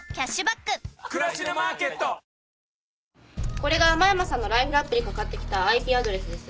これが間山さんのＬＩＦＥＲＡＰにかかってきたＩＰアドレスです。